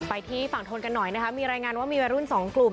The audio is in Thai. ไปที่ฝั่งทนกันหน่อยนะคะมีรายงานว่ามีวัยรุ่นสองกลุ่ม